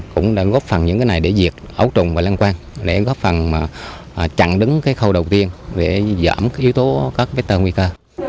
cũng đã góp phần những cái này để diệt ấu trùng và lăng quang để góp phần chặn đứng cái khâu đầu tiên để giảm cái yếu tố các vết tơ nguy cơ